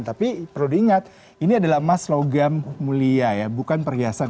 tapi perlu diingat ini adalah emas logam mulia ya bukan perhiasan